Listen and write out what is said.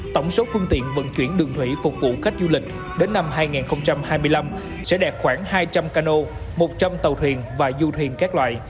tổng số phương tiện vận chuyển đường thủy phục vụ khách du lịch đến năm hai nghìn hai mươi năm sẽ đạt khoảng hai trăm linh cano một trăm linh tàu thuyền và du thuyền các loại